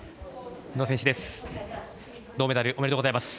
宇野選手です。